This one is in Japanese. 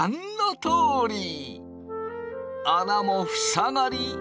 穴もふさがり